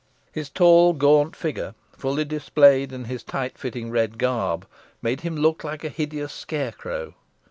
His tall gaunt figure, fully displayed in his tight fitting red garb, made him look like a hideous scarecrow.